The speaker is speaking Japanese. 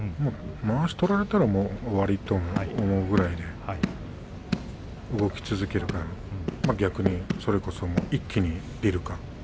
まわしを取られたらもう終わりと思うくらいで動き続けるか、逆にそれこそ一気に出るか。